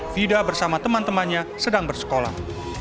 fida bersama teman temannya sedang bersekolah